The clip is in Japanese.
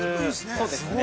◆そうですね。